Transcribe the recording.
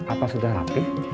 apa sudah rapih